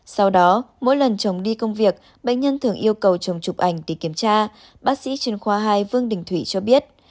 sau đó mỗi lần chồng đi công việc bệnh nhân thường yêu cầu chồng chụp ảnh để kiểm tra bác sĩ chuyên khoa hai vương đình thủy cho biết